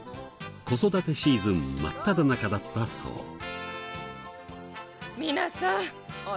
子育てシーズン真っただ中だったそう。